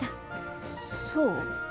そう？